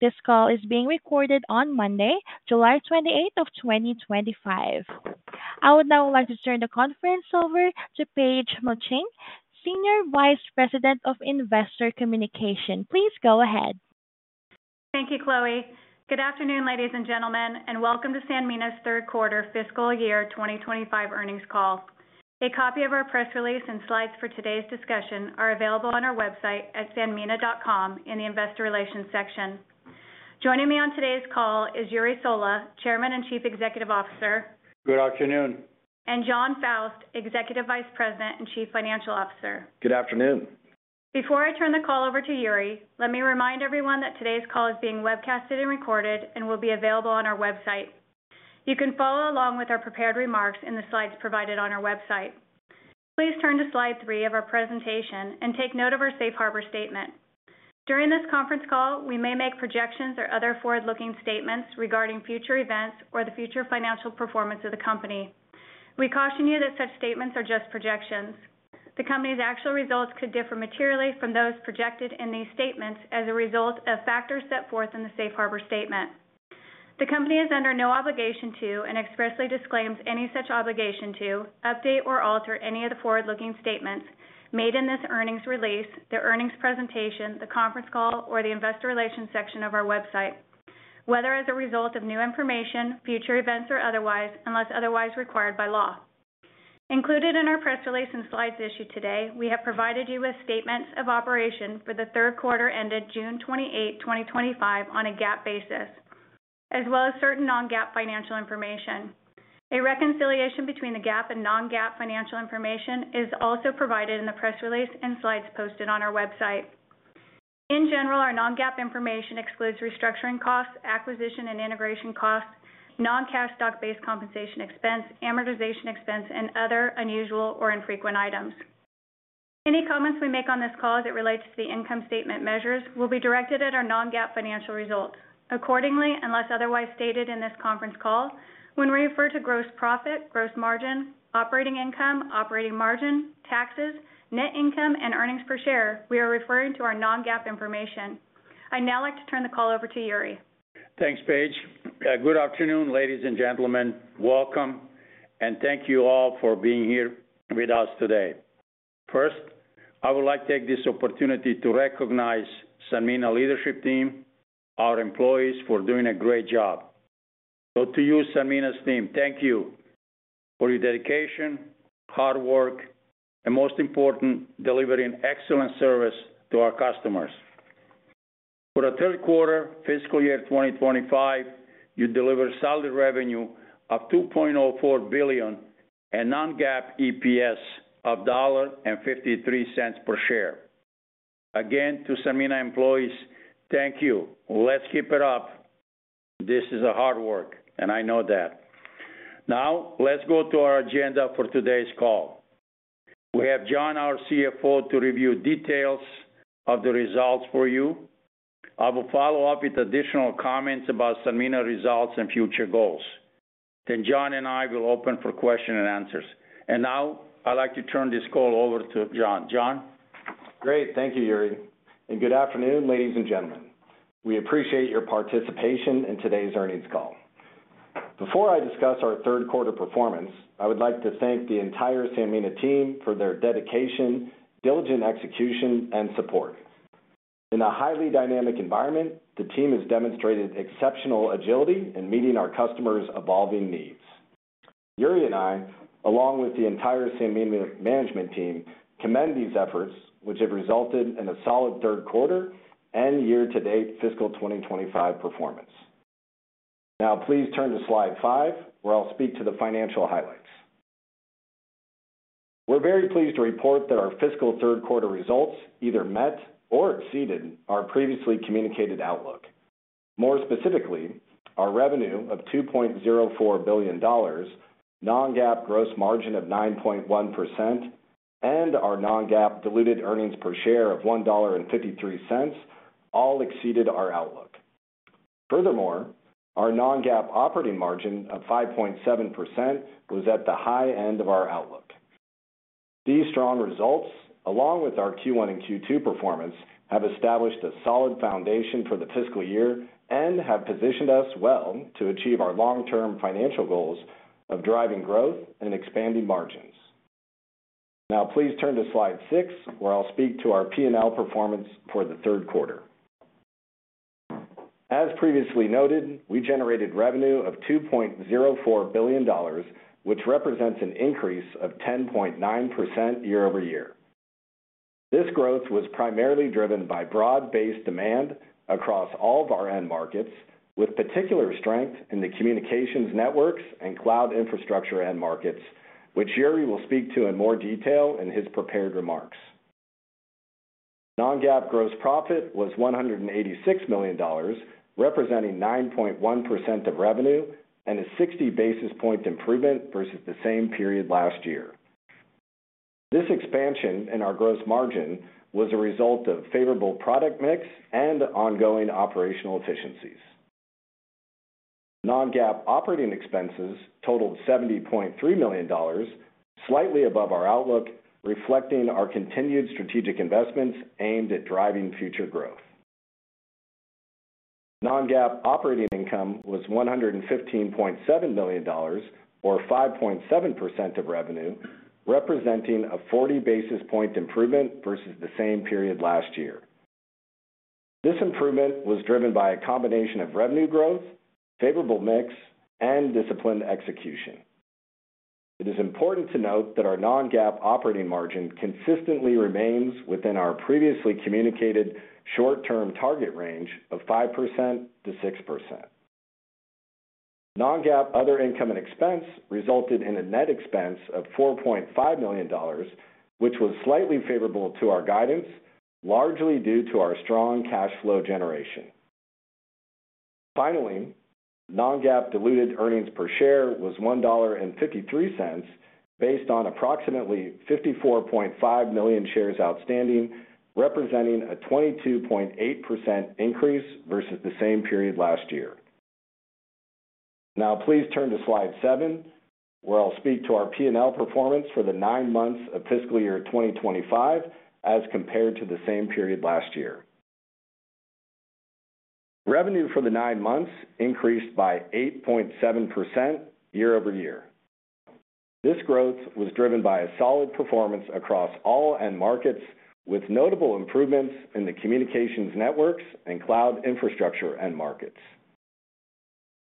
This call is being recorded on Monday, July 28, 2025. I would now like to turn the conference over to Paige Melching, Senior Vice President of Investor Communication. Please go ahead. Thank you, Chloe. Good afternoon, ladies and gentlemen, and welcome to Sanmina's third quarter fiscal year 2025 earnings call. A copy of our press release and slides for today's discussion are available on our website at sanmina.com in the Investor Relations section. Joining me on today's call is Jure Sola, Chairman and Chief Executive Officer. Good afternoon. Jon Faust, Executive Vice President and Chief Financial Officer. Good afternoon. Before I turn the call over to Jure, let me remind everyone that today's call is being webcast and recorded and will be available on our website. You can follow along with our prepared remarks in the slides provided on our website. Please turn to slide three of our presentation and take note of our Safe Harbor Statement. During this conference call, we may make projections or other forward-looking statements regarding future events or the future financial performance of the company. We caution you that such statements are just projections. The company's actual results could differ materially from those projected in these statements as a result of factors set forth in the Safe Harbor Statement. The company is under no obligation to and expressly disclaims any such obligation to update or alter any of the forward-looking statements made in this earnings release, the earnings presentation, the conference call or the Investor Relations section of our website, whether as a result of new information, future events or otherwise, unless otherwise required by law. Included in our press release and slides issued today, we have provided you with statements of operation for the third quarter ended June 28, 2025 on a GAAP basis as well as certain non-GAAP financial information. A reconciliation between the GAAP and non-GAAP financial information is also provided in the press release and slides posted on our website. In general, our non-GAAP information excludes restructuring costs, acquisition and integration costs, non-cash stock-based compensation expense, amortization expense and other unusual or infrequent items. Any comments we make on this call as it relates to the income statement measures will be directed at our non-GAAP financial results accordingly. Unless otherwise stated in this conference call, when we refer to gross profit, gross margin, operating income, operating margin, total taxes, net income and earnings per share, we are referring to our non-GAAP information. I'd now like to turn the call over to Jure. Thanks, Paige. Good afternoon, ladies and gentlemen. Welcome and thank you all for being here with us today. First, I would like to take this. Opportunity to recognize Sanmina leadership team. Employees for doing a great job. To you Sanmina's team, thank you for your dedication, hard work and most. Important, delivering excellent service to our customers. For the third quarter fiscal year 2025, you delivered solid revenue of $2.04 billion and non-GAAP EPS of $0.53 per share. Again to Sanmina employees, thank you. Let's keep it up. This is hard work and I know that. Now let's go to our agenda for today's call. We have Jon, our CFO, to review details of the results for you. I will follow up with additional comments about Sanmina results and future goals. Jon and I will open for question and answers. Now I'd like to turn this call over to Jon Faust. Thank you, Jure, and good afternoon, ladies and gentlemen. We appreciate your participation in today's earnings call. Before I discuss our third quarter performance, I would like to thank the entire Sanmina team for their dedication, diligent execution, and support in a highly dynamic environment. The team has demonstrated exceptional agility in meeting our customers' evolving needs. Jure and I, along with the entire Sanmina management team, commend these efforts, which have resulted in a solid third quarter and year-to-date fiscal 2025 performance. Now, please turn to Slide 5, where I'll speak to the financial highlights. We're very pleased to report that our fiscal third quarter results either met or exceeded our previously communicated outlook. More specifically, our revenue of $2.04 billion, non-GAAP gross margin of 9.1%, and our non-GAAP diluted earnings per share of $1.53 all exceeded our outlook. Furthermore, our non-GAAP operating margin of 5.7% was at the high end of our outlook. These strong results, along with our Q1 and Q2 performance, have established a solid foundation for the fiscal year and have positioned us well to achieve our long-term financial goals of driving growth and expanding margins. Now, please turn to Slide 6, where I'll speak to our P&L performance for the third quarter. As previously noted, we generated revenue of $2.04 billion, which represents an increase of 10.9% year-over-year. This growth was primarily driven by broad-based demand across all of our end markets, with particular strength in the communications networks and cloud infrastructure end markets, which Jure will speak to in more detail in his prepared remarks. Non-GAAP gross profit was $186 million, representing 9.1% of revenue and a 60 basis point improvement versus the same period last year. This expansion in our gross margin was a result of favorable product mix and ongoing operational efficiencies. Non-GAAP operating expenses totaled $70.3 million, slightly above our outlook, reflecting our continued strategic investments aimed at driving future growth. Non-GAAP operating income was $115.7 million, or 5.7% of revenue, representing a 40 basis point improvement versus the same period last year. This improvement was driven by a combination of revenue growth, favorable mix, and disciplined execution. It is important to note that our non-GAAP operating margin consistently remains within our previously communicated short-term target range of 5%-6%. Non-GAAP other income and expense resulted in a net expense of $4.5 million, which was slightly favorable to our guidance largely due to our strong cash flow generation. Finally, non-GAAP diluted earnings per share was $1.53 based on approximately 54.5 million shares outstanding, representing a 22.8% increase versus the same period last year. Now, please turn to slide seven where I'll speak to our P&L performance for the nine months of fiscal year 2025 as compared to the same period last year. Revenue for the nine months increased by 8.7% year-over-year. This growth was driven by a solid performance across all end markets with notable improvements in the communications networks and cloud infrastructure end markets.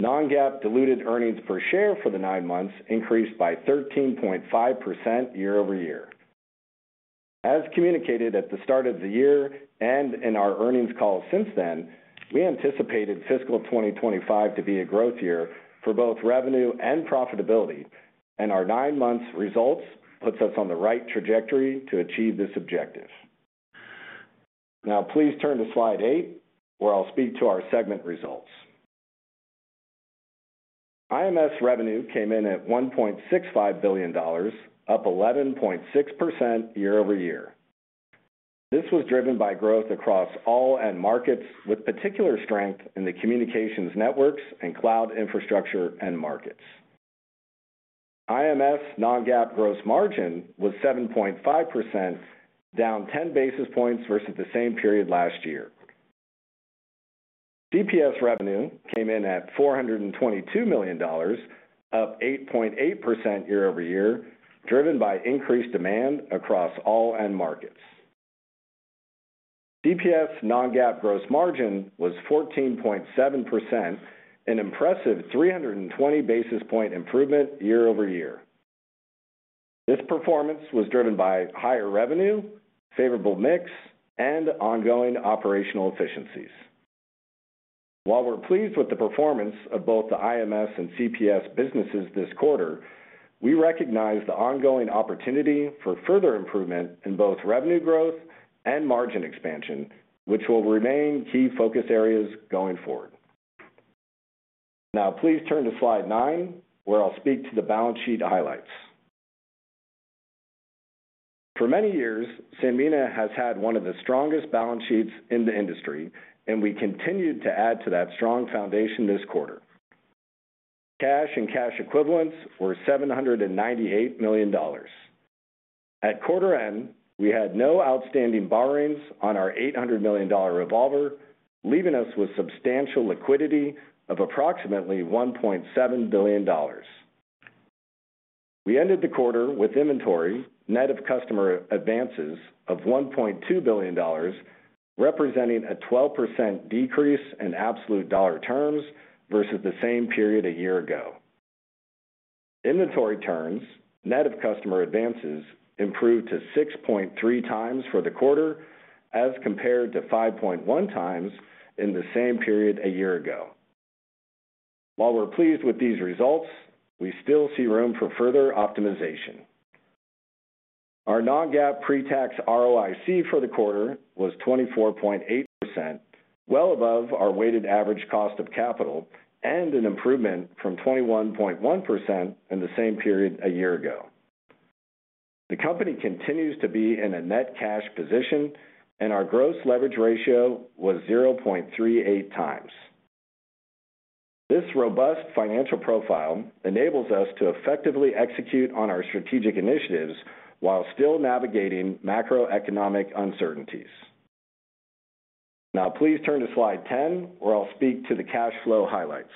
Non-GAAP diluted earnings per share for the nine months increased by 13.5% year-over-year. As communicated at the start of the year and in our earnings call since then, we anticipated fiscal 2025 to be a growth year for both revenue and profitability, and our nine months results put us on the right trajectory to achieve this objective. Now, please turn to slide eight where I'll speak to our segment results. IMS revenue came in at $1.65 billion, up 11.6% year-over-year. This was driven by growth across all end markets with particular strength in the communications networks and cloud infrastructure end markets. IMS non-GAAP gross margin was 7.5% and down 10 basis points versus the same period last year. CPS revenue came in at $422 million, up 8.8% year-over-year, driven by increased demand across all end markets. CPS non-GAAP gross margin was 14.7%, an impressive 320 basis point improvement year-over-year. This performance was driven by higher revenue, favorable mix, and ongoing operational efficiencies. While we're pleased with the performance of both the IMS and CPS businesses this quarter, we recognize the ongoing opportunity for further improvement in both revenue growth and margin expansion, which will remain key focus areas going forward. Now, please turn to slide nine where I'll speak to the balance sheet highlights. For many years, Sanmina has had one of the strongest balance sheets in the industry, and we continued to add to that strong foundation. This quarter, cash and cash equivalents were $798 million. At quarter end, we had no outstanding borrowings on our $800 million revolver, leaving us with substantial liquidity of approximately $1.7 billion. We ended the quarter with inventory net of customer advances of $1.2 billion, representing a 12% decrease in absolute dollar terms versus the same period a year ago. Inventory turns net of customer advances improved to 6.3x for the quarter as compared to 5.1x in the same period a year ago. While we're pleased with these results, we still see room for further optimization. Our non-GAAP pretax ROIC for the quarter was 24.8%, well above our weighted average cost of capital and an improvement from 21.1% in the same period a year ago. The company continues to be in a net cash position and our gross leverage ratio was 0.38x. This robust financial profile enables us to effectively execute on our strategic initiatives while still navigating macroeconomic uncertainties. Now please turn to slide 10 where I'll speak to the cash flow highlights.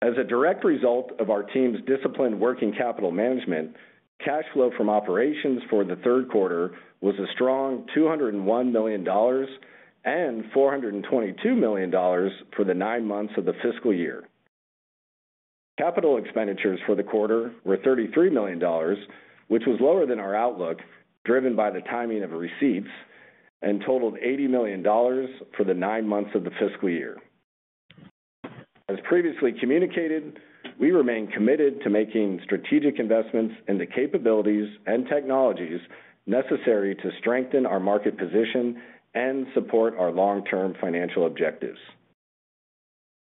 As a direct result of our team's disciplined working capital management, cash flow from operations for the third quarter was a strong $201 million and $422 million for the nine months of the fiscal year. Capital expenditures for the quarter were $33 million, which was lower than our outlook driven by the timing of receipts and totaled $80 million for the nine months of the fiscal year. As previously communicated, we remain committed to making strategic investments in the capabilities and technologies necessary to strengthen our market position and support our long-term financial objectives.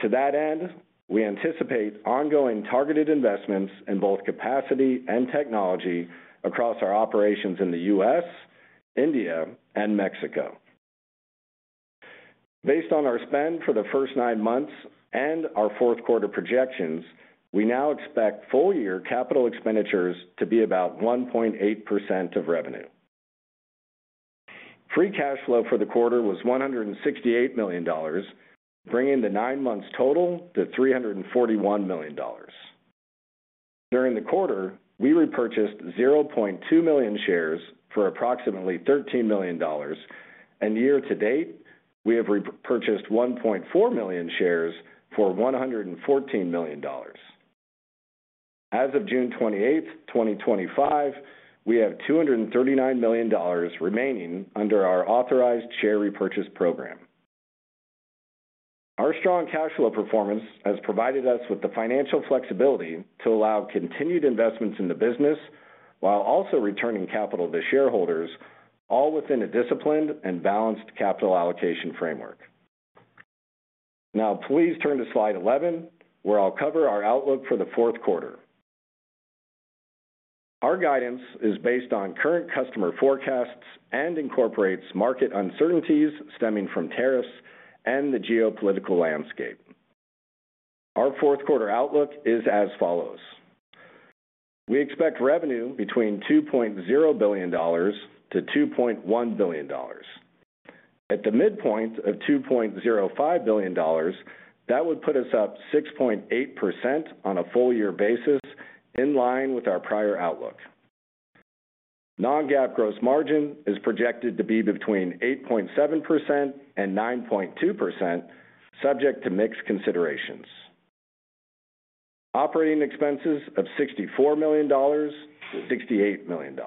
To that end, we anticipate ongoing targeted investments in both capacity and technology across our operations in the U.S., India, and Mexico. Based on our spend for the first nine months and our fourth quarter projections, we now expect full year capital expenditures to be about 1.8% of revenue. Free cash flow for the quarter was $168 million, bringing the nine months total to $341 million. During the quarter we repurchased 0.2 million shares for approximately $13 million and year-to-date we have repurchased 1.4 million shares for $114 million. As of June 28, 2025, we have $239 million remaining under our authorized share repurchase program. Our strong cash flow performance has provided us with the financial flexibility to allow continued investments in the business while also returning capital to shareholders, all within a disciplined and balanced capital allocation framework. Now please turn to slide 11 where I'll cover our outlook for the fourth quarter. Our guidance is based on current customer forecasts and incorporates market uncertainties stemming from tariffs and the geopolitical landscape. Our fourth quarter outlook is as follows. We expect revenue between $2.0 billion-$2.1 billion, at the midpoint of $2.05 billion. That would put us up 6.8% on a full year basis, in line with our prior outlook. Non-GAAP gross margin is projected to be between 8.7% and 9.2%, subject to mix considerations. Operating expenses of $64 million-$68 million,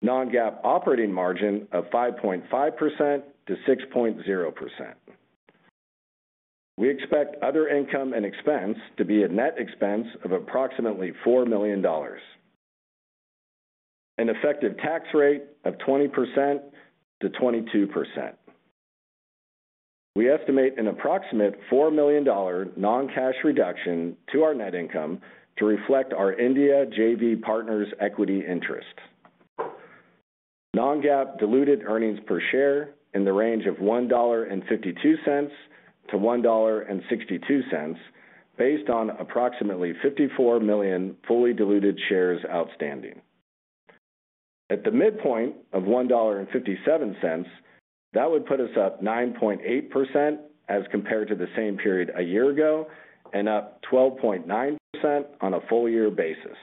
non-GAAP operating margin of 5.5%-6.0%. We expect other income and expense to be a net expense of approximately $4 million, an effective tax rate of 20%-22%. We estimate an approximate $4 million noncash reduction to our net income to reflect our India JV partner's equity interest. Non-GAAP diluted EPS in the range of $1.52-$1.62 based on approximately 54 million fully diluted shares outstanding, at the midpoint of $1.57. That would put us up 9.8% as compared to the same period a year ago and up 12.9% on a full year basis.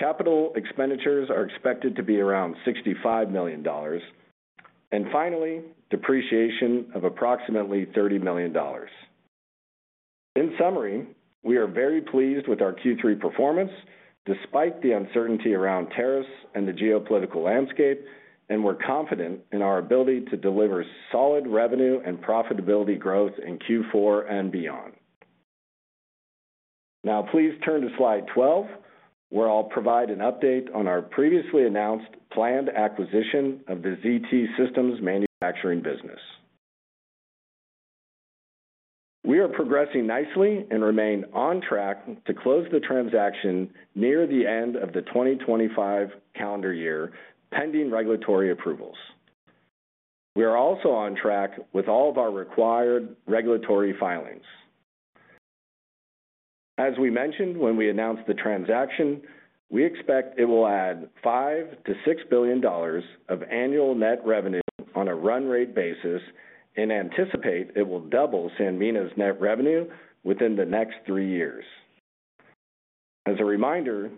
Capital expenditures are expected to be around $65 million and finally, depreciation of approximately $30 million. In summary, we are very pleased with our Q3 performance despite the uncertainty around tariffs and the geopolitical, and we're confident in our ability to deliver solid revenue and profitability growth in Q4 and beyond. Now please turn to slide 12 where I'll provide an update on our previously announced planned acquisition of the ZT Systems manufacturing business. We are progressing nicely and remain on track to close the transaction near the end of the 2025 calendar year, pending regulatory approvals. We are also on track with all of our required regulatory filings. As we mentioned when we announced the transaction, we expect it will add $5 billion-$6 billion of annual net revenue on a run rate basis and anticipate it will double Sanmina's net revenue within the next three years. As a reminder,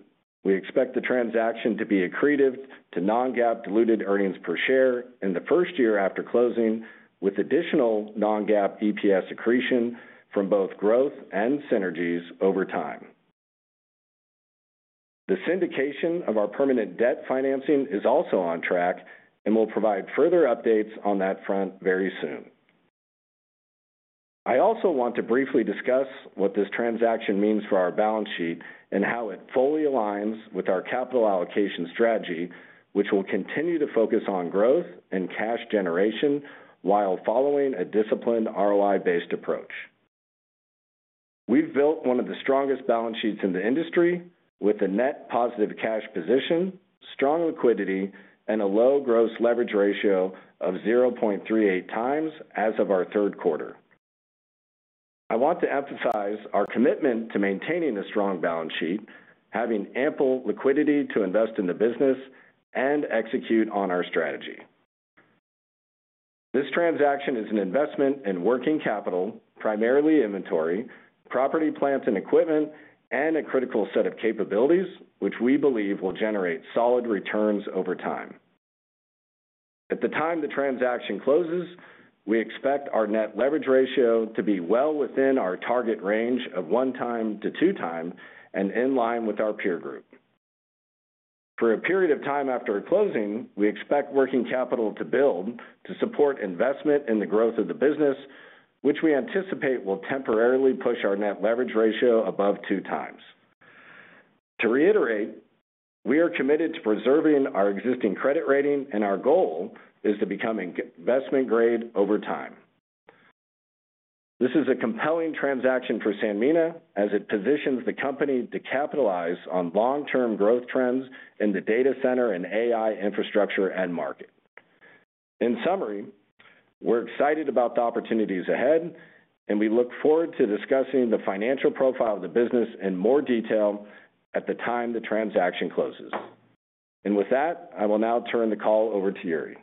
we expect the transaction to be accretive to non-GAAP diluted EPS in the first year after closing, with additional non-GAAP EPS accretion from both growth and synergies over time. The syndication of our permanent debt financing is also on track and we'll provide further updates on that front very soon. I also want to briefly discuss what this transaction means for our balance sheet and how it fully aligns with our capital allocation strategy, which will continue to focus on growth and cash generation while following a disciplined ROI-based approach. We've built one of the strongest balance sheets in the industry with a net positive cash position, strong liquidity, and a low gross leverage ratio of 0.38x as of our third quarter. I want to emphasize our commitment to maintaining a strong balance sheet, having ample liquidity to invest in the business, and execute on our strategy. This transaction is an investment in working capital, primarily inventory, property, plants and equipment, and a critical set of capabilities which we believe will generate solid returns over time. At the time the transaction closes, we expect our net leverage ratio to be well within our target range of 1x-2x and in line with our peer group. For a period of time after closing, we expect working capital to build to support investment in the growth of the business, which we anticipate will temporarily push our net leverage ratio above 2x. To reiterate, we are committed to preserving our existing credit rating, and our goal is to become investment grade over time. This is a compelling transaction for Sanmina as it positions the company to capitalize on long-term growth trends in the data center and AI infrastructure end market. In summary, we're excited about the opportunities ahead, and we look forward to discussing the financial profile of the business in more detail at the time the transaction closes. With that, I will now turn the call over to Jure.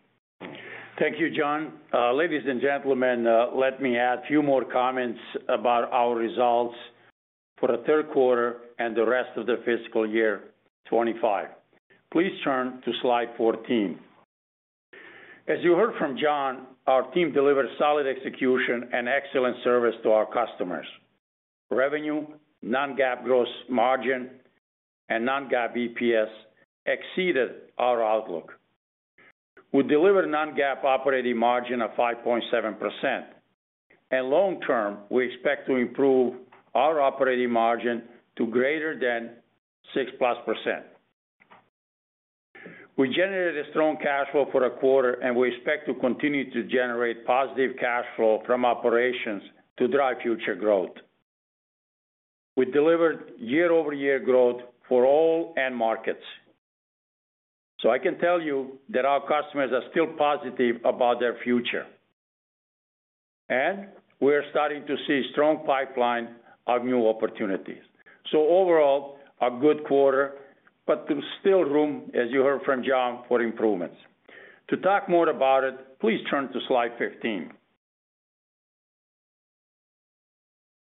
Thank you, Jon. Ladies and gentlemen, let me add a few more comments about our. Results for the third quarter and the rest of the fiscal year 2025. Please turn to Slide 14. As you heard from Jon, our team delivers solid execution and excellent service to our customers. Revenue, non-GAAP gross margin, and non-GAAP EPS exceeded our outlook. We delivered non-GAAP operating margin of. 5.7% and long term we expect to improve our operating margin to greater than 6%+. We generated a strong cash flow for the quarter, and we expect to continue to generate positive cash flow from operations. To drive future growth, we delivered year-over-year growth for all end markets as I can tell. You know that our customers are still positive. About their future, we are starting. To see a strong pipeline of new opportunities. Overall, a good quarter, but there's. Still room, as you heard from Jon, for improvements. To talk more about it, please turn to Slide 15.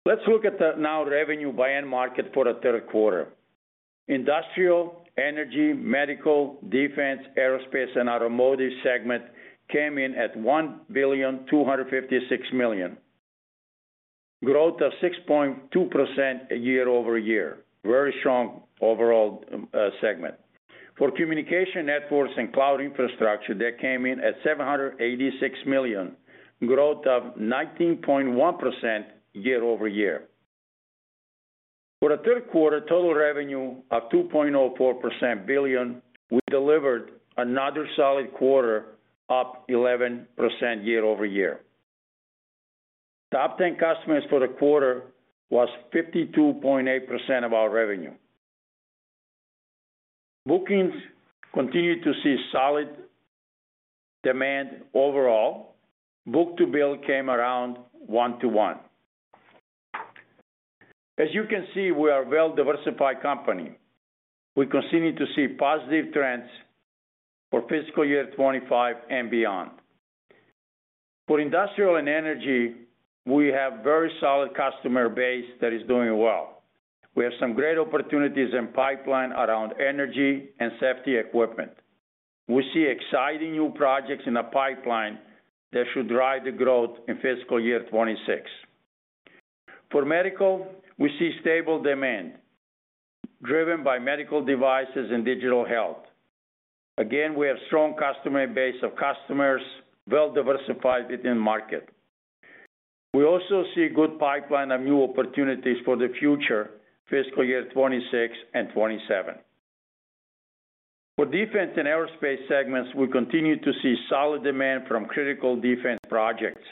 Let's look at the now revenue by. End market for the third quarter: industrial, energy, medical, defense, aerospace, and automotive. Segment came in at $1.256 billion growth of. 6.2% year-over-year. Very strong overall segment for communications networks. Cloud infrastructure came in at $786 million, growth of 19.1% year over. Year for the third quarter. Total revenue of $2.04 billion. We delivered another solid quarter, up 11% year-over-year. Top 10 customers for the quarter was. 52.8% of our revenue bookings. Continued to see solid demand overall, book-to-bill came around $1-$1. As you can see, we are a well-diversified company. We continue to see positive trends for fiscal year 2025 and beyond for industrial and energy. We have very solid customer. Base that is doing well. We have some great opportunities in pipeline around energy and safety equipment. We see exciting new projects in the. Pipeline that should drive the growth in fiscal year 2026. For medical, we see stable demand driven. By medical devices and digital health. Again, we have strong customer base of customers well diversified within market. We also see good pipeline of new opportunities for the future. Fiscal year 2026 and 2027 for defense. In aerospace segments, we continue to see solid demand from critical defense projects.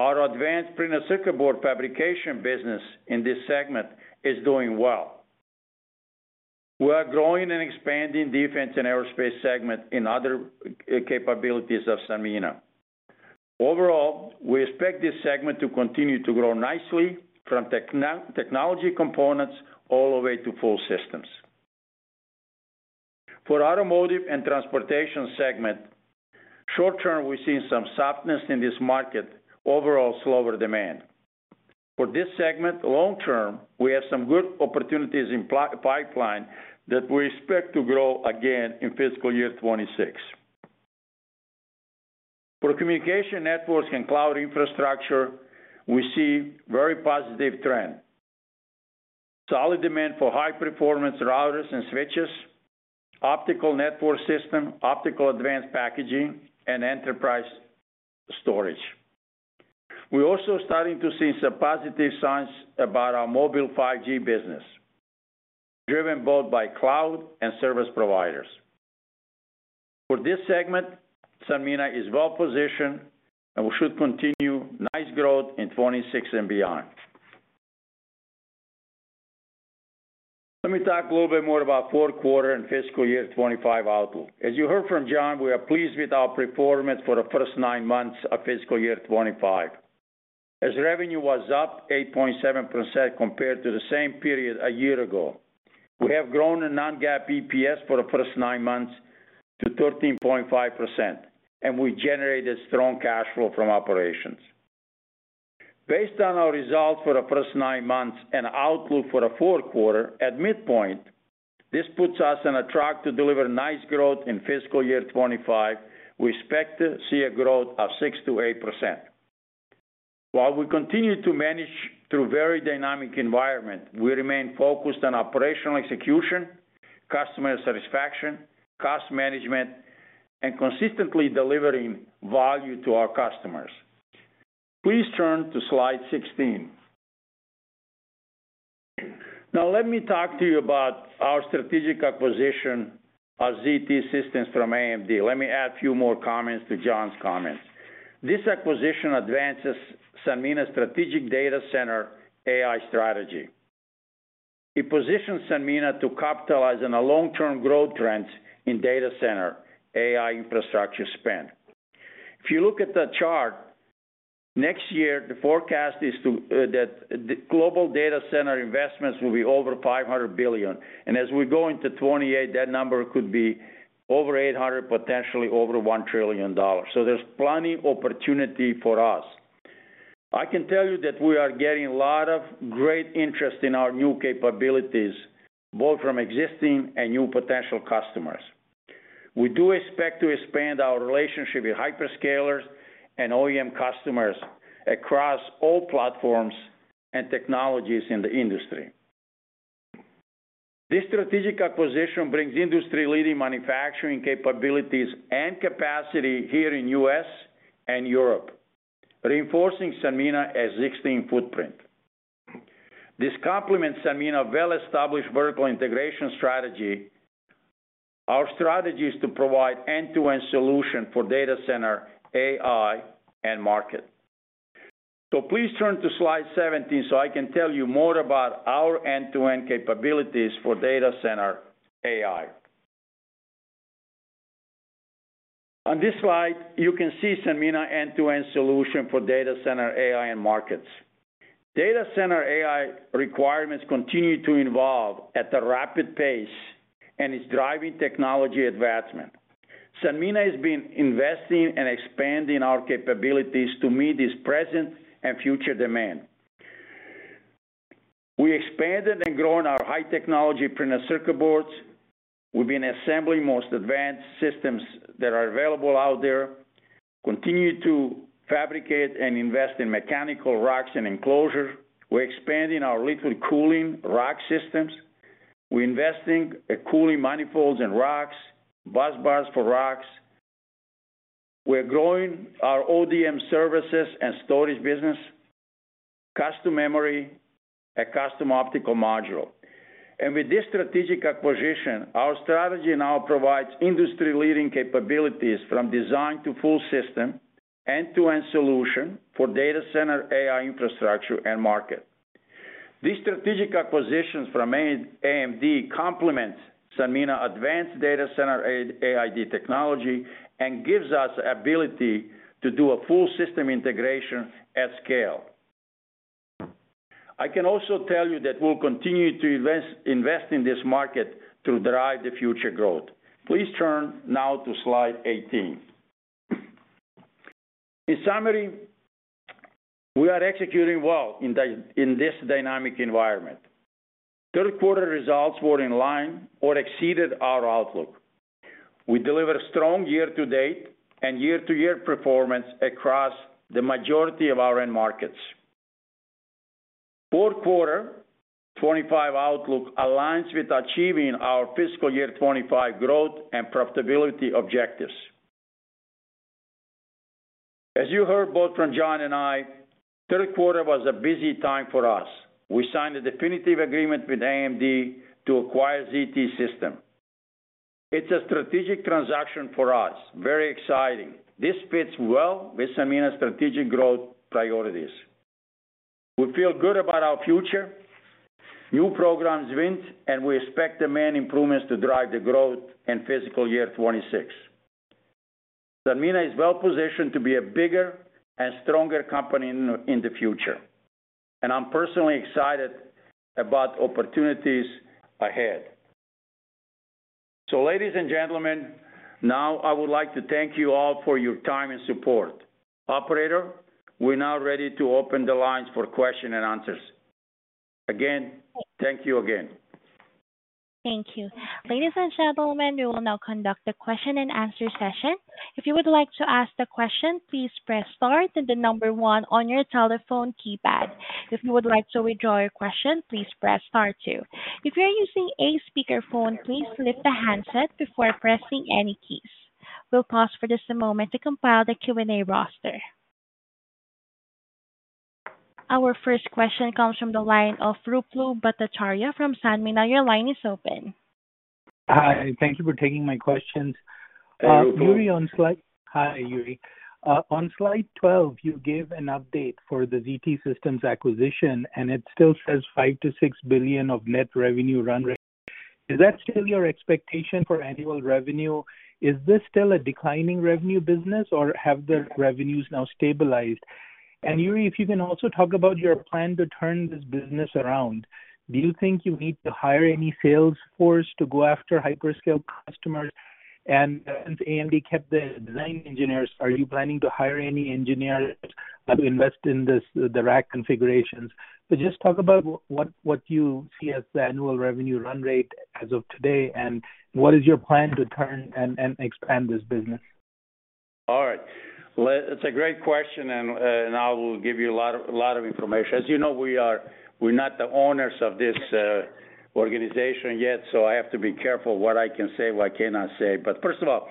Our advanced printed circuit board fabrication business in this segment is doing well. We are growing and expanding defense. Aerospace segment and other capabilities of Sanmina. Overall, we expect this segment to continue to grow nicely from technology components all the way to full systems for automotive and transportation segment. Short term, we've seen some softness in. This market overall slower demand for this segment. Long term, we have some good opportunities in pipeline that we expect to grow again in fiscal year 2026. For communications networks and cloud infrastructure, we see very positive trends, solid demand for high performance routers and switches, optical network systems, optical, advanced packaging, and enterprise storage. We're also starting to see some positive. Signs about our mobile 5G business driven. Both by cloud infrastructure and service providers. For this segment, Sanmina is well positioned, and we should continue nice growth in 2016 and beyond. Let me talk a little bit more. About fourth quarter and fiscal year 2025 outlook, as you heard from Jon, we are pleased with our performance for the first nine months of fiscal year 2025 as revenue was up 8.7% compared to the same period a year ago. We have grown the non-GAAP EPS. For the first nine months to 13.5% and we generated strong cash flow from operations. Based on our results for the first nine months and outlook for the fourth quarter at midpoint, this puts us on a track to deliver nice growth. In fiscal year 2025, we expect to see a growth of 6%-8%. While we continue to manage through very. Dynamic environment, we remain focused on operational. Execution, customer satisfaction, cost management, and consistently. Delivering value to our customers. Please turn to slide 16. Now let me talk to you about our strategic. Acquisition of ZT Systems from AMD. Let me add a few more comments to Jon's comments. This acquisition advances Sanmina Strategic Data Center. AI strategy. It positions Sanmina to capitalize. On the long term growth trends in. Data center AI infrastructure spend. If you look at the chart next. The forecast is that global data center investments will be over $500 billion, and as we go into 2028, that number could be over $800 billion, potentially over $1 trillion. There is plenty of opportunity for us. I can tell you that we are getting a lot of great interest in. Our new capabilities, both from existing and new potential customers. We do expect to expand our relationship with hyperscalers and OEM customers across all. Platforms and technologies in the industry. This strategic acquisition brings industry-leading manufacturing capabilities and capacity here in the U.S. Europe reinforcing Sanmina S16 footprint. This complements Sanmina's well-established vertical integration strategy. Our strategy is to provide end-to-end solution for data center AI and. Market, so please turn to slide 17. I can tell you more about it. Our end-to-end capabilities for data center AI. On this slide you can see Sanmina end-to-end solution for data center AI and markets. Data center AI requirements continue to evolve at a rapid pace and is driving technology advancement. Sanmina has been investing and expanding our capabilities to meet this present and future demand. We expanded and grown our high technology printed circuit boards. We've been assembling most advanced systems that are available out there. Continue to fabricate and invest in mechanical racks and enclosures. We're expanding our lithium cooling rack systems. We're investing in cooling manifolds and racks busbars for racks. We're growing our ODM services and storage business, custom memory, a custom optical module. With this strategic acquisition, our strategy now provides industry-leading capabilities from design. To full system end-to-end solution. For data center AI infrastructure and market, these strategic acquisitions from AMD complement Sanmina advanced data center AI technology and give us ability to do a full system integration at scale. I can also tell you that we'll continue to invest in this market to drive the future growth. Please turn now to Slide 18. In summary, we are executing well in this dynamic environment. Third quarter results were in line or exceeded our outlook. We delivered strong year. To date, and year to year performance across the majority of our end markets. Fourth quarter 2025 outlook aligns with achieving. Our fiscal year 2025 growth and profitability objectives. As you heard both from Jon and I, third quarter was a busy time for us. We signed a definitive agreement with AMD to acquire ZT Systems. It's a strategic transaction for us, very exciting. This fits well with Sanmina's strategic growth priorities. We feel good about our future now. Programs win, and we expect demand improvements to drive the growth in fiscal year 2026. Sanmina is well positioned to be a bigger and stronger company in the future. I'm personally excited about opportunities ahead. Ladies and gentlemen, now I would. Like to thank you all for your time and support. Operator, we're now ready to open the lines for question and answers again. Thank you again. Thank you, ladies and gentlemen. We will now conduct the question and answer session. If you would like to ask a question, please press star and the number one on your telephone keypad. If you would like to withdraw your question, please press star two. If you're using a speakerphone, please lift the handset before pressing any keys. We'll pause for just a moment to compile the Q&A roster. Our first question comes from the line of Ruplu Bhattacharya from Sanmina. Your line is open. Hi, thank you for taking my questions. On slide 12, you gave an update for the ZT Systems acquisition and it still says $5-$6 billion of net revenue run rate. Is that still your expectation for annual revenue? Is this still a declining revenue business or have the revenues now stabilized? If you can also talk about your plan to turn this business around. Do you think you need to hire any sales force to go after hyperscale customers? AMD kept the design engineers. Are you planning to hire any engineers to invest in the rack configurations? Just talk about what you see as the annual revenue run rate as of today and what is your plan to turn and expand this business? All right, it's a great question and I will give you a lot of information. As you know, we're not the owners of this organization yet, so I have to be careful what I can say, what I cannot say. First of all,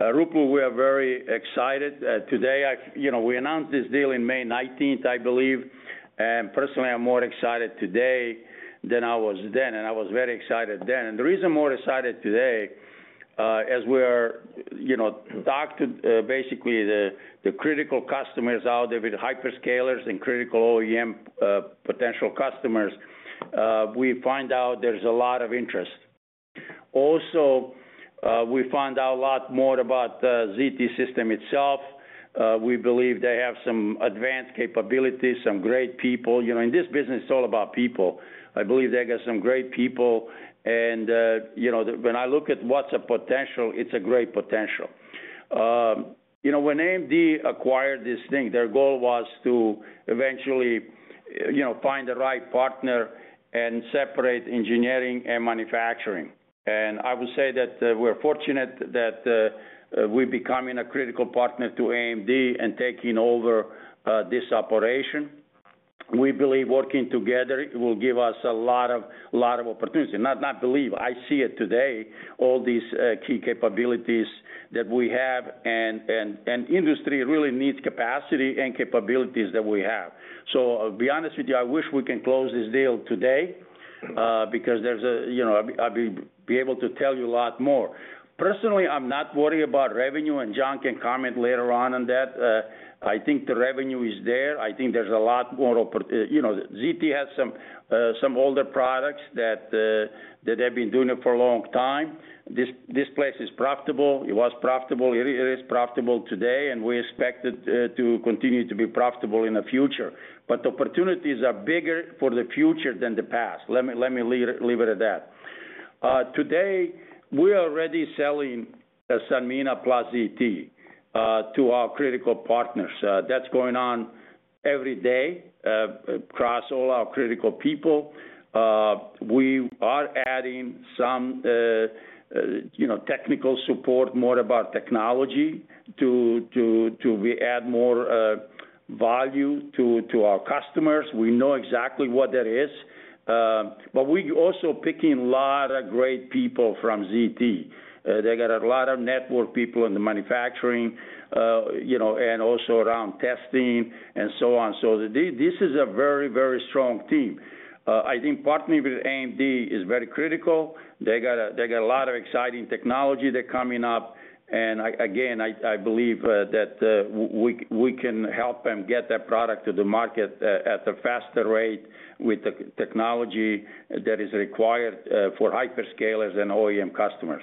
Ruplu, we are very excited today. You know, we announced this deal on May 19, I believe. Personally, I'm more excited today than I was then, and I was very excited then. The reason I'm more excited today is as we talk to basically the critical customers out there with hyperscalers and critical OEM potential customers, we find out there's a lot of interest. We also find out a lot more about the ZT Systems itself. We believe they have some advanced capabilities, some great people. In this business, it's all about people. I believe they got some great people. When I look at what's a potential, it's a great potential. You know, when AMD acquired this thing, their goal was to eventually, you know, find the right partner and separate engineering and manufacturing. I would say that we're fortunate that we're becoming a critical partner to AMD and taking over this operation. We believe working together will give us a lot of opportunity. Not believe, I see it today, all these key capabilities that we have. The industry really needs capacity and capabilities that we have. To be honest with you, I wish we could close this deal today because I'll be able to tell you a lot more. Personally, I'm not worried about revenue and Jon can comment later on that. I think the revenue is there. I think there's a lot more. ZT has some older products that have been doing it for a long time. This place is profitable. It was profitable. It is profitable today. We expect it to continue to be profitable in the future. Opportunities are bigger for the future than the past. Let me leave it at that. Today we are already selling Sanmina plus ZT to our critical partners. That's going on every day across all our critical people. We are adding some technical support, more about technology to add more value to our customers. We know exactly what that is. We are also picking a lot of great people from ZT. They got a lot of network people in the manufacturing and also around testing and so on. This is a very, very strong team. I think partnering with AMD is very critical. They got a lot of exciting technology that is coming up. I believe that we can help them get that product to the market at a faster rate with the technology that is required for hyperscalers and OEM customers.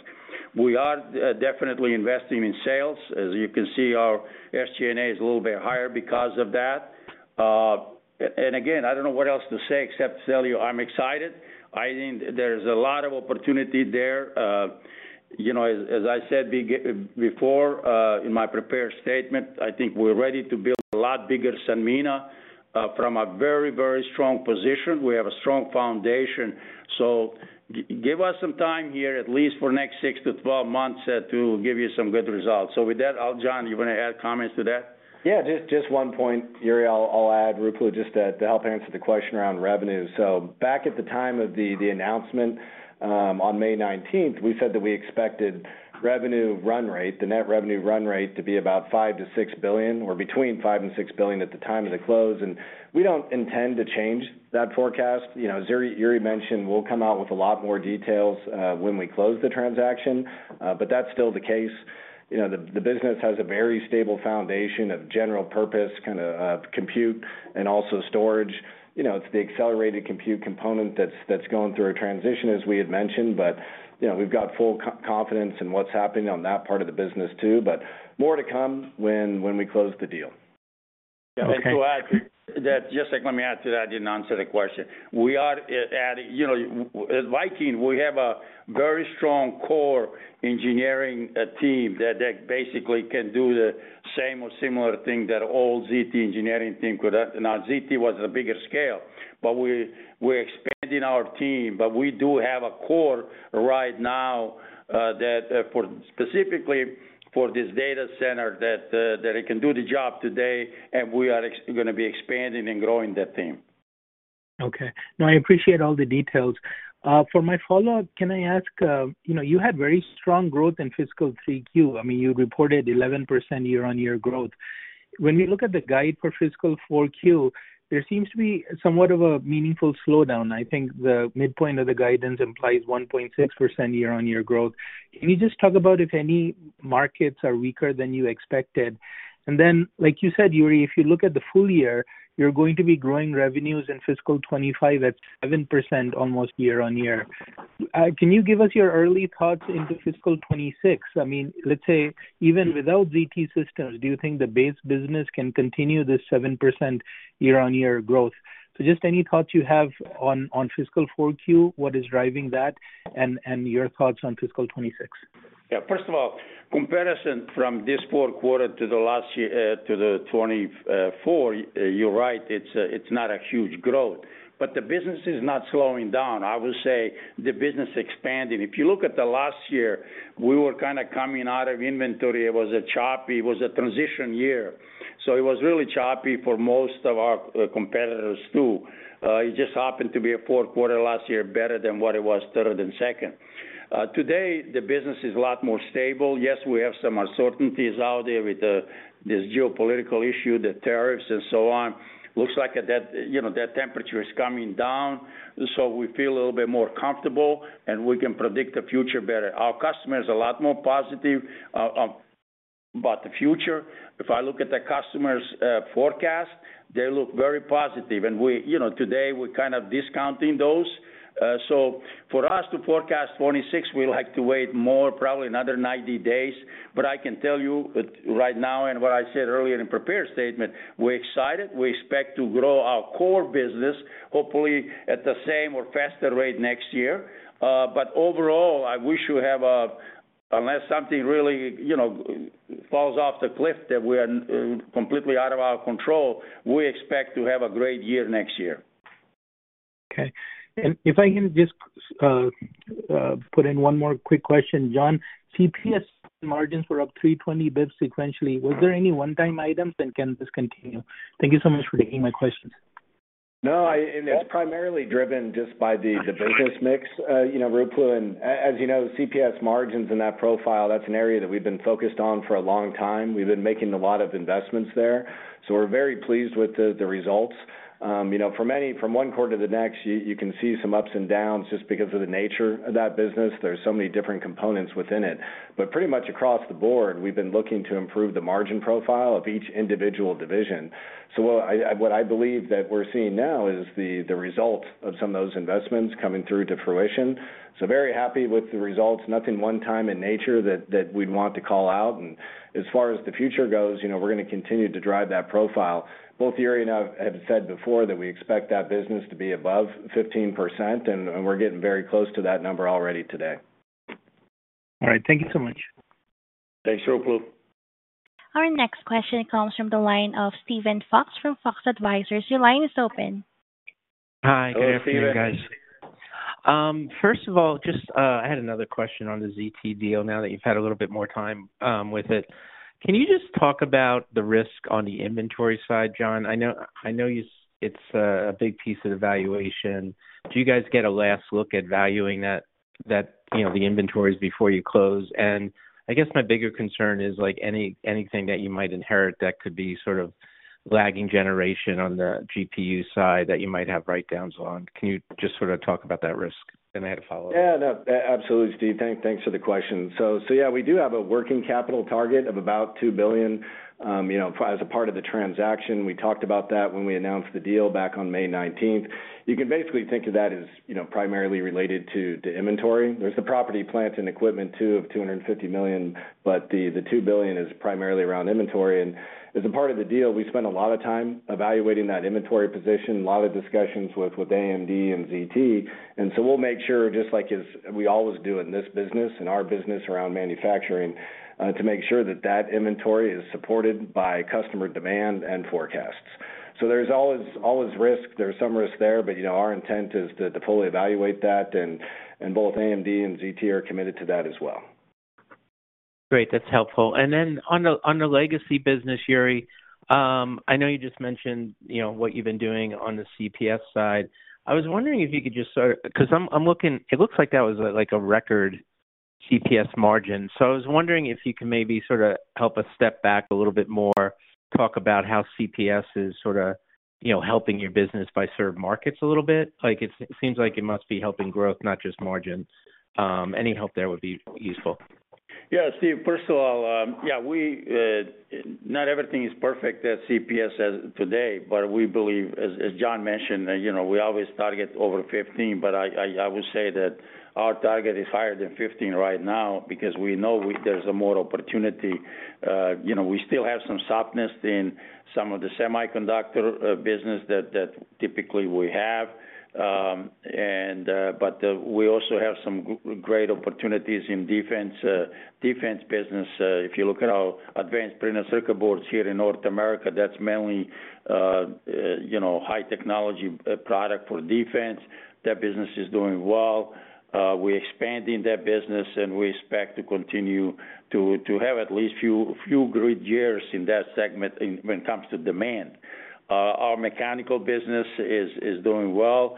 We are definitely investing in sales. As you can see, our SG&A is a little bit higher because of that. I don't know what else to say except to tell you I'm excited. I think there's a lot of opportunity there. As I said before in my prepared statement, I think we're ready to build a lot bigger Sanmina from a very, very strong position. We have a strong foundation. Give us some time here, at least for the next 6 months-12 months, to give you some good results. Jon, you want to add comments to that? Yeah, just one point, Ruplu. I'll add Ruplu just to help answer the question around revenue. Back at the time of the announcement on May 19, we said that we expected revenue run rate, the net revenue run rate, to be about $5 billion-$6 billion or between $5 billion and $6 billion at the time of the close. We don't intend to change that forecast. As Ruplu mentioned, we'll come out with a lot more details when we close the transaction. That's still the case. The business has a very stable foundation of general purpose kind of compute and also storage. It's the accelerated compute component that's going through a transition as we had mentioned. We've got full confidence in what's happening on that part of the business too. is more to come when we close the deal. Let me add to that. I didn't answer the question. We are adding, you know, at Viking we have a very strong core engineering team that basically can do the same or similar thing that all ZT engineering team could have. Now, ZT was a bigger scale, but we're expanding our team. We do have a core right now that specifically for this data center that it can do the job today. We are going to be expanding and growing that team. Okay. Now I appreciate all the details for my follow up. Can I ask, you know, you had very strong growth in fiscal 3Q. I mean, you reported 11% year-on-year growth. When we look at the guide for fiscal 4Q, there seems to be somewhat of a meaningful slowdown. I think the midpoint of the guidance implies 1.6% year-on-year growth. Can you just talk about if any markets are weaker than you expected? Like you said, Jure, if you look at the full year, you're going to be growing revenues in fiscal 2025 at 7% almost year-on-year. Can you give us your early thoughts into fiscal 2026? I mean, let's say even without ZT Systems, do you think the base business can continue this 7% year-on-year growth? Just any thoughts you have on fiscal 4Q, what is driving that and your thoughts on fiscal 2026? First of all, comparison from this fourth quarter to the last year to the 2024, you're right, it's not a huge growth, but the business is not slowing down. I would say the business expanding. If you look at the last year, we were kind of coming out of inventory. It was choppy, was a transition year. It was really choppy for most of our competitors, too. It just happened to be a fourth quarter last year better than what it was. Third and second today, the business is a lot more stable. Yes, we have some uncertainties out there with this geopolitical issue, the tariffs and so on. It looks like that temperature is coming down, so we feel a little bit more comfortable and we can predict the future better. Our customers are a lot more positive about the future. If I look at the customers' forecast, they look very positive. Today we're kind of discounting those. For us to forecast 2026, we'd like to wait more, probably another 90 days. I can tell you right now, and what I said earlier in prepared statement, we're excited. We expect to grow our core business, hopefully at the same or faster rate next year. Overall, I wish we have a, unless something really, you know, falls off the cliff, that we are completely out of our control, we expect to have a great year next year. Okay, and if I can just put in one more quick question, Jon. CPS margins were up 320 bps sequentially. Was there any one-time items, and can this continue? Thank you so much for taking my questions. No, it's primarily driven just by the business mix. You know, Ruplu. As you know, CPS margins in that profile, that's an area that we've been focused on for a long time. We've been making a lot of investments there. We are very pleased with the results. For many, from one quarter to the next, you can see some ups and downs just because of the nature of that business. There are so many different components within it, but pretty much across the board, we've been looking to improve the margin profile of each individual division. What I believe that we're seeing now is the result of some of those investments coming through to fruition. Very happy with the results. Nothing one time in nature that we'd want to call out. As far as the future goes, we're going to continue to drive that profile. Both Jure and I have said before that we expect that business to be above 15% and we're getting very close to that number already today. All right, thank you so much. Thanks, Ruplu. Our next question comes from the line of Steven Fox from Fox Advisors. Your line is open. Hi, good afternoon, guys. First of all, I had another question on the ZT Systems deal. Now that you've had a little bit more time with it, can you just talk about the risk on the inventory side, Jon? I know it's a big piece of the valuation. Do you guys get a last look at valuing that, the inventories before you close? I guess my bigger concern is anything that you might inherit that could be sort of lagging generation on the GPU side that you might have write downs on. Can you just sort of talk about that risk? I had a follow up. Yeah, absolutely, Steve, thanks for the question. We do have a working capital target of about $2 billion. As a part of the transaction, we talked about that when we announced the deal back on May 19th. You can basically think of that as primarily related to inventory. There's the property, plant and equipment too of $250 million, but the $2 billion is primarily around inventory. As a part of the deal, we spend a lot of time evaluating that inventory position. A lot of discussions with AMD and ZT Systems. We'll make sure, just like we always do in this business, in our business around manufacturing, to make sure that that inventory is supported by customer demand and forecasts. There's always risk, there's some risk there. Our intent is to fully evaluate that and both AMD and ZT Systems are committed to that as well. Great, that's helpful. On the legacy business, Jure, I know you just mentioned what you've been doing on the CPS side. I was wondering if you could just sort of, because I'm looking, it looks like that was a record CPS margin. I was wondering if you can maybe help us step back a little bit more, talk about how CPS is helping your business by serving markets a little bit. It seems like it must be helping growth, not just margin. Any help there would be useful. Yeah, Steve, first of all, not everything is perfect at CPS today, but we believe, as Jon mentioned, you know, we always target over 15%, but I would say that our target is higher than 15% right now because we know there's more opportunity. You know, we still have some softness in some of the semiconductor business that typically we have, but we also have some great opportunities in defense. If you look at our advanced printed circuit boards here in North America, that's mainly high technology product for defense. That business is doing well. We expand in that business and we expect to continue to have at least a few good years in that segment when it comes to demand. Our mechanical business is doing well,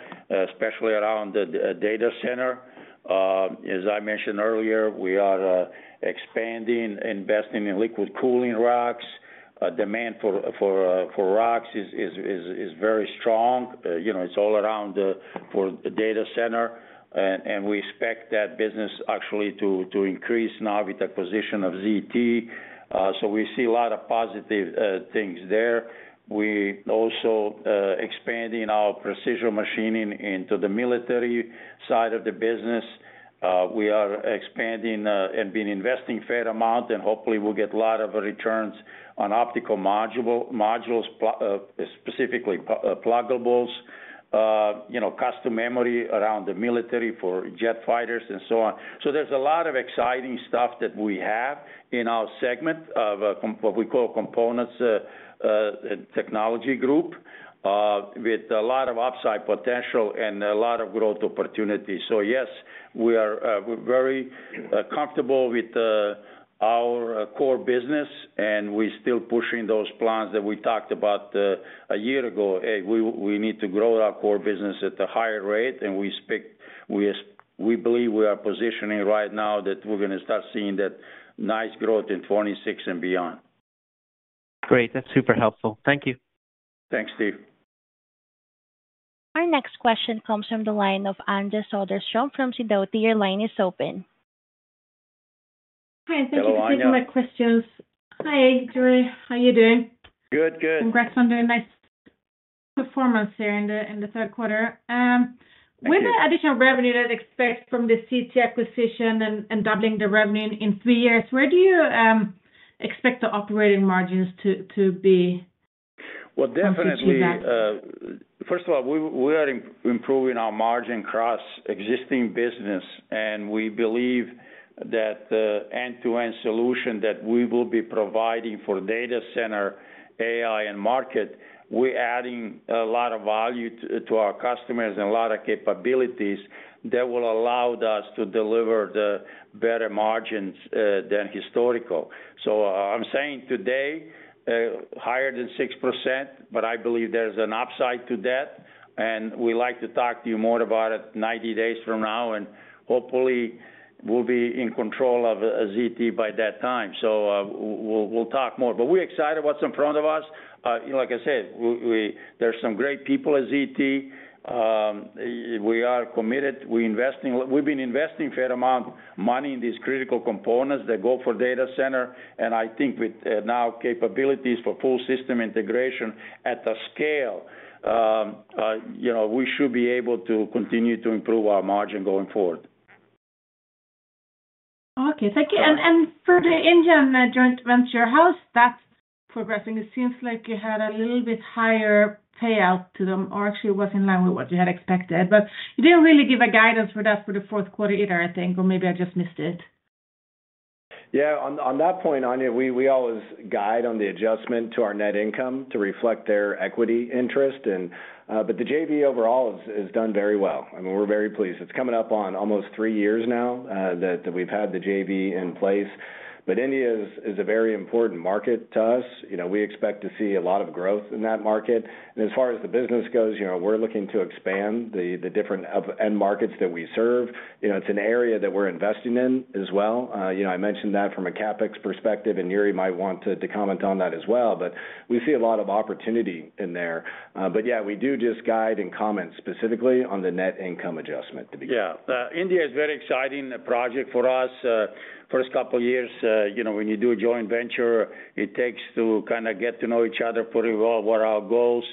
especially around the data center. As I mentioned earlier, we are expanding, investing in liquid cooling racks. Demand for racks is very strong. It's all around for data center and we expect that business actually to increase now with acquisition of ZT Systems. We see a lot of positive things there. We are also expanding our precision machining into the military side of the business. We are expanding and have been investing a fair amount and hopefully we'll get a lot of returns on optical modules, specifically pluggables, custom memory around the military for jet fighters and so on. There's a lot of exciting stuff that we have in our segment of what we call Component Technology Group with a lot of upside potential and a lot of growth opportunities. Yes, we are very comfortable with our core business and we're still pushing those plans that we talked about a year ago. We need to grow our core business at a higher rate and we expect, we believe we are positioning right now that we're going to start seeing that nice growth in 2026 and beyond. Great, that's super helpful. Thank you. Thanks, Steve. Our next question comes from the line of Anja Soderstrom from Sidoti. Your line is open. Hi. Thank you. My questions. Hi Jure, how you doing? Good, good. Congrats on doing nice performance here in the third quarter with the additional revenue that expect from the ZT Systems acquisition and doubling the revenue in three years. Where do you expect the operating margins to be? First of all, we are improving our margin across existing business and we believe that end-to-end solution that we will be providing for data center AI and market. We're adding a lot of value to our customers and a lot of capabilities that will allow us to deliver the better margins than historical. I'm saying today higher than 6%, but I believe there's an upside to that and we like to talk to you more about it 90 days from now and hopefully we'll be in control of ZT by that time. We'll talk more, but we're excited what's in front of us. Like I said, there's some great people at ZT. We are committed. We've been investing fair amount money in these critical components that go for data center and I think with now capabilities for full system integration at the scale, you know, we should be able to continue to improve our margin going forward. Okay, thank you. For the Indian joint venture, how's that progressing? It seems like you had a little bit higher payout to them or actually was in line with what you had expected. You didn't really give a guidance for that for the fourth quarter either, I think, or maybe I just missed it. Yeah, on that point, Anja, we always guide on the adjustment to our net income to reflect their equity interest. The JV overall has done very well. I mean, we're very pleased. It's coming up on almost three years now that we've had the JV in place. India is a very important market to us. We expect to see a. Lot of growth in that market. As far as the business goes, you know, we're looking to expand the different end markets that we serve. You know, it's an area that we're investing in as well. I mentioned that from a CapEx perspective and Jure might want to comment on that as well. We see a lot of opportunity in there. Yeah, we do just guide and comment specifically on the net income adjustment. Yeah, India is a very exciting project for us. First couple years, you know, when you do a joint venture, it takes to kind of get to know each other pretty well. What are our goals?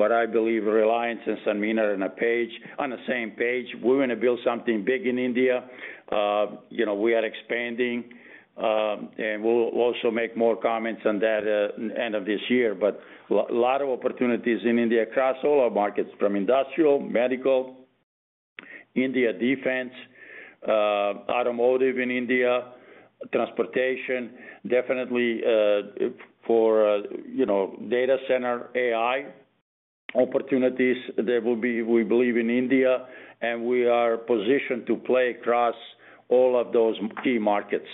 I believe Reliance and Sanmina are on the same page. We want to build something big in India. We are expanding, and we'll also make more comments on that at the end of this year. A lot of opportunities in India across all our markets, from industrial, medical, defense, automotive, transportation, definitely. For, you know, data center AI opportunities. That will be, we believe, in India, and we are positioned to play across all of those key markets.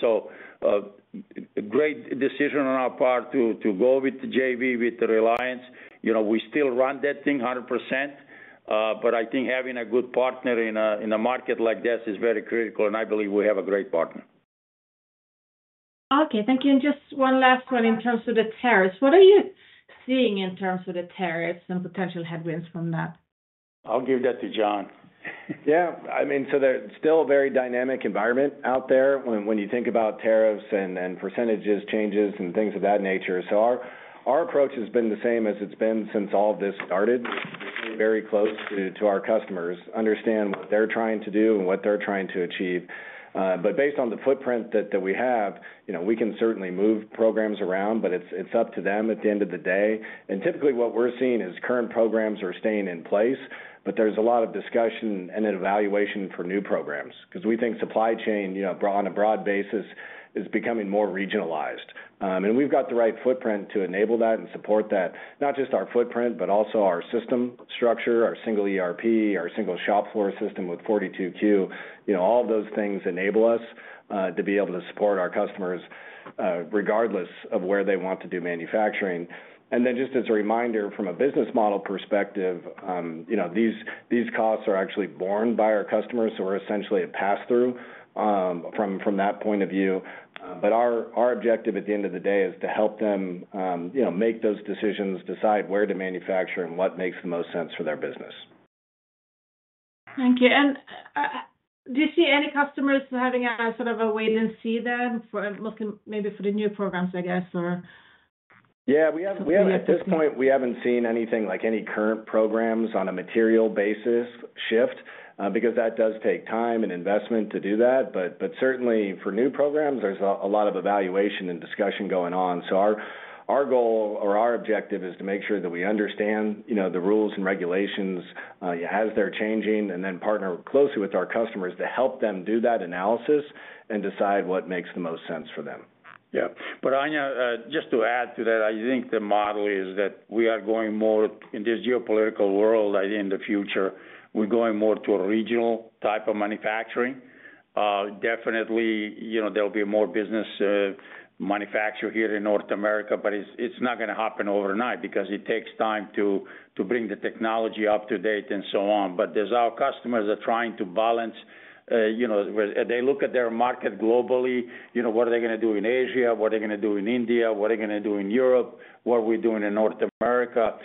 Great decision on our part to go with the JV with Reliance. We still run that thing 100%, but I think having a good partner in a market like this is very critical. I believe we have a great partner. Okay, thank you. Just one last one. In terms of the tariffs, what are you seeing in terms of the tariffs and potential headwinds from that? I'll give that to Jon. Yeah, I mean, there's still a very dynamic environment out there when you think about tariffs and % changes and things of that nature. Our approach has been the same as it's been since all of this started, very close to our customers to understand what they're trying to do and what they're trying to achieve. Based on the footprint that we have, we can certainly move programs around, but it's up to them at the end of the day. Typically, what we're seeing is current programs are staying in place. There's a lot of discussion and evaluation for new programs because we think supply chain on a broad basis is becoming more regionalized, and we've got the right footprint to enable that and support that. Not just our footprint but also our system structure, our single ERP, our single shop floor system with 42Q. All those things enable us to be able to support our customers regardless of where they want to do manufacturing. Just as a reminder from. a business model perspective, you know, these costs are actually borne by our customers. We're essentially a pass through from that point of view. Our objective at the end of the day is to help them, you know, make those decisions, decide where to manufacture and what makes the most sense for their business. Thank you. Do you see any customers having sort of a wait and see, then maybe for the new programs, I guess? Yeah, at this point we haven't seen. Anything like any current programs on a material basis shift because that does take time and investment to do that. Certainly for new programs there's a lot of evaluation and discussion going on. Our goal or our objective is to make sure that we understand the rules and regulations as they're changing. We partner closely with our customers to. Help them do that analysis and decide what makes the most sense for them. Yeah, but Anja, just to add to that, I think the model is that we are going more in this geopolitical world in the future. We're going more to a regional type of manufacturing. Definitely there'll be more business manufacture here in North America, but it's not going to happen overnight because it takes time to bring the technology up to date and so on. Our customers are trying to balance, you know, they look at their market globally, you know, what are they going to do in Asia, what are they going to do in India, what are they going to do in Europe, what are we doing in North America?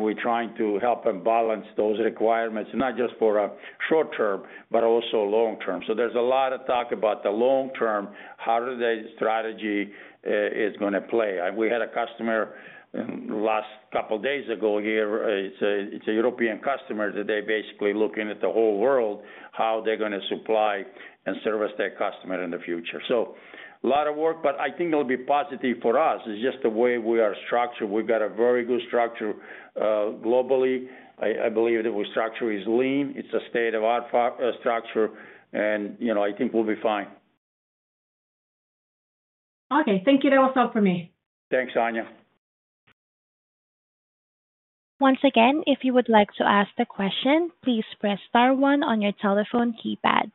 We're trying to help them balance those requirements not just for a short term, but also long term. There's a lot of talk about the long term, how their strategy is going to play. We had a customer a couple days ago here, it's a European customer that is basically looking at the whole world, how they're going to supply and service their customer in the future. A lot of work, but I think it'll be positive for us. It's just the way we are structured. We've got a very good structure globally. I believe that our structure is lean, it's a state-of-the-art structure and I think we'll be fine. Okay, thank you. That was all for me. Thanks, Anja. Once again, if you would like to ask the question, please press star one on your telephone keypad.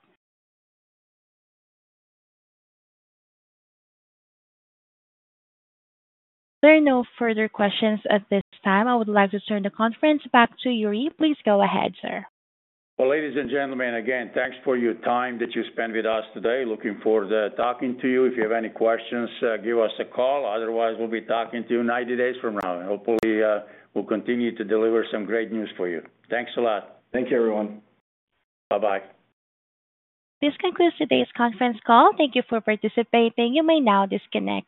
There are no further questions at this time. I would like to turn the conference back to Jure, please. Go ahead, sir. Ladies and gentlemen, again, thanks for your time that you spent with us today. Looking forward to talking to you. If you have any questions, give us a call. Otherwise, we'll be talking to you 90 days from now and hopefully we'll continue to deliver some great news for you. Thanks a lot. Thank you, everyone. Bye. Bye. This concludes today's conference call. Thank you for participating. You may now disconnect.